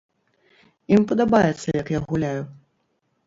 Ім падабаецца, як я гуляю.